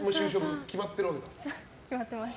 決まってます。